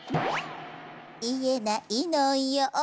「言えないのよ」